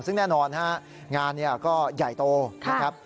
ซึ่งแน่นอนฮะงานก็ใหญ่โตนะครับ